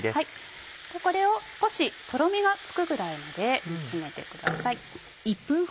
これを少しとろみがつくぐらいまで煮詰めてください。